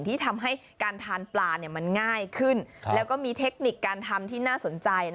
ที่ทำให้การทานปลามันง่ายขึ้นแล้วก็มีเทคนิคการทำที่น่าสนใจ